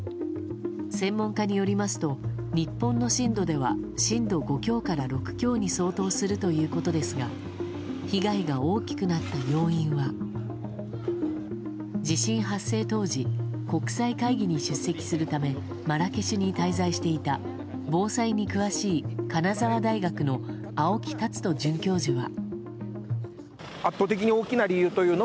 専門家によりますと日本の震度では震度５強から６強に相当するということですが被害が大きくなった要因は地震発生当時国際会議に出席するためマラケシュに滞在していた防災に詳しい金沢大学の青木賢人准教授は。